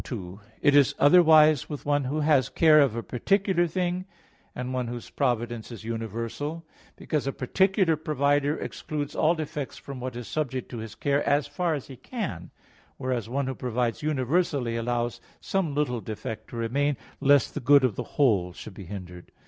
2: It is otherwise with one who has care of a particular thing, and one whose providence is universal, because a particular provider excludes all defects from what is subject to his care as far as he can; whereas, one who provides universally allows some little defect to remain, lest the good of the whole should be hindered.